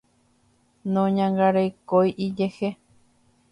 Noñangarekói ijehe.